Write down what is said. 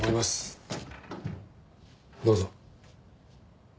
どうぞ。